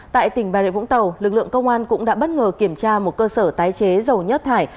tại tỉnh bà rịa vũng tàu lực lượng công an cũng đã bất ngờ kiểm tra một cơ sở tái chế dầu nhất thải